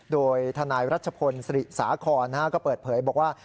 โดยทนายรัชพลศรีสาครก็เปิดเผยบอกว่า